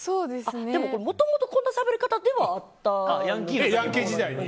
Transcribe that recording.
でも、もともとこんなしゃべり方ではヤンキー時代に？